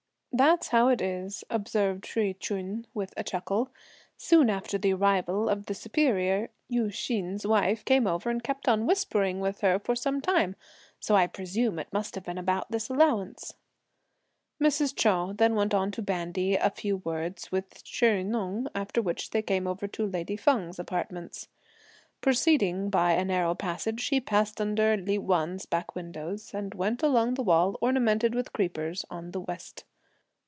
"That's how it is," observed Hsi Ch'un with a chuckle; "soon after the arrival of the Superior, Yü Hsin's wife came over and kept on whispering with her for some time; so I presume it must have been about this allowance." Mrs. Chou then went on to bandy a few words with Chih Neng, after which she came over to lady Feng's apartments. Proceeding by a narrow passage, she passed under Li Wan's back windows, and went along the wall ornamented with creepers on the west.